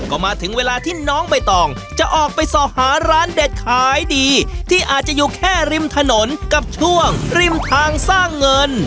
ก็มาถึงเวลาที่น้องใบตองจะออกไปส่อหาร้านเด็ดขายดีที่อาจจะอยู่แค่ริมถนนกับช่วงริมทางสร้างเงิน